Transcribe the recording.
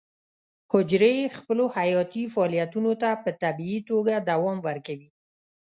حجرې خپلو حیاتي فعالیتونو ته په طبیعي توګه دوام ورکوي.